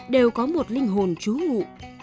đều có một linh hồn trú ngụ